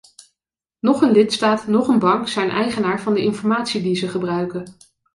Noch een lidstaat noch een bank zijn eigenaar van de informatie die ze gebruiken.